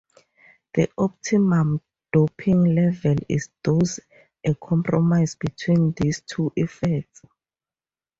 The optimum doping level is thus a compromise between these two effects.